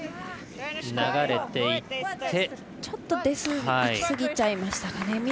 ちょっといきすぎちゃいましたかね。